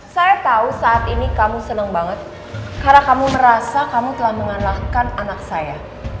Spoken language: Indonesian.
saya tahu saat ini kamu senang banget karena kamu merasa kamu telah mengalahkan anak saya